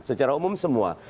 secara umum semua